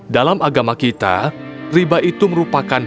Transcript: dalam agama kita riba itu merupakan